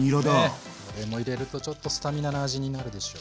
これも入れるとちょっとスタミナな味になるでしょう。